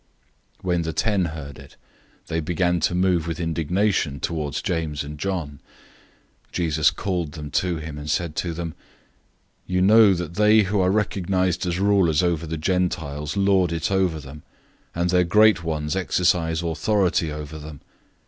010:041 When the ten heard it, they began to be indignant towards James and John. 010:042 Jesus summoned them, and said to them, "You know that they who are recognized as rulers over the nations lord it over them, and their great ones exercise authority over them.